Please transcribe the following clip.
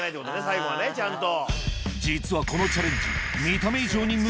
最後はちゃんと。